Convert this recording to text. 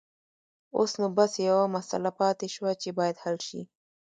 اوس نو بس يوه مسله پاتې شوه چې بايد حل شي.